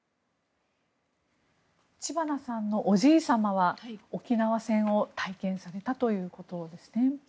知花さんのおじい様は沖縄戦を体験されたということですね。